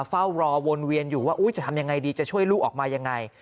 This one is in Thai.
เฝ้ารอวนเวียนอยู่ว่าจะทำยังไงดีจะช่วยลูกออกมายังไง